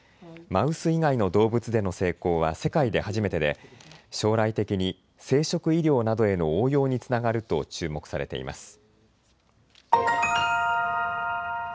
マウス以外の動物での成功は世界で初めてで将来的に生殖医療などへの応用につながると注目されています。